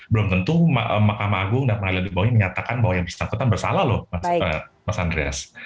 belum tentu makam agung dan pengadilan dibawahnya menyatakan bahwa yang disangkutan bersalah loh mas andreas